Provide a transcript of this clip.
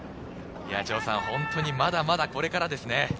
本当にまだまだ、これからですね。